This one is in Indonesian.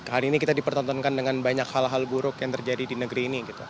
hari ini kita dipertontonkan dengan banyak hal hal buruk yang terjadi di negeri ini